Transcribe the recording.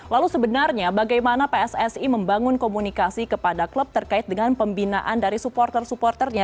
lalu sebenarnya bagaimana pssi membangun komunikasi kepada klub terkait dengan pembinaan dari supporter supporternya